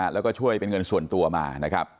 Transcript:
แล้วก็ช่วยเป็นเงินส่วนตัวมานะครับ